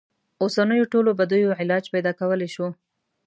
اوسنیو ټولو بدیو علاج پیدا کولای شو.